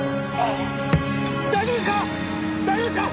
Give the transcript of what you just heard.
大丈夫ですか！？